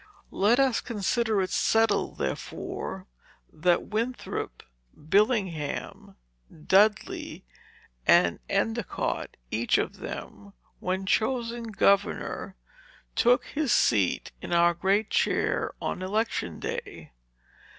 "Let us consider it settled, therefore, that Winthrop, Bellingham, Dudley, and Endicott, each of them, when chosen governor, took his seat in our great chair on election day.